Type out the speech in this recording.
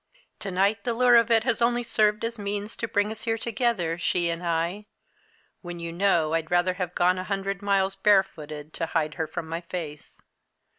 To night the lure of it has only served as a means to bring us here together she and I! when you know I'd rather have gone a hundred miles barefooted to hide from her my face.